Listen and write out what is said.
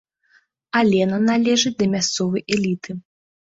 Алена належыць да мясцовай эліты.